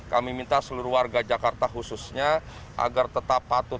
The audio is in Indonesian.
kami minta seluruh warga jakarta khususnya agar tetap patuh